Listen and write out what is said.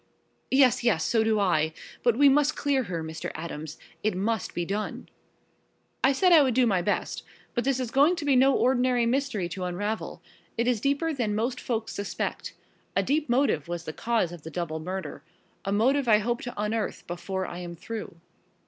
"Yes, yes, so do I. But we must clear her, Mr. Adams it must be done." "I said I would do my best. But this is going to be no ordinary mystery to unravel. It is deeper than most folks suspect. A deep motive was the cause of the double murder a motive I hope to unearth before I am through."